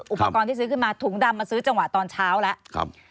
อุปกรณ์ที่ซื้อขึ้นมาถุงดำมาซื้อจังหวะตอนเช้าแล้ว